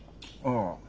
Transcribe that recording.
ああ。